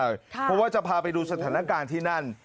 เพราะว่าจะพาไปดูสถานการณ์ที่นั่น